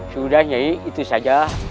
sudah nyai itu saja